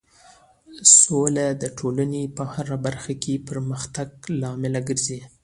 سوله د ټولنې په هر برخه کې د پرمختګ لامل ګرځي.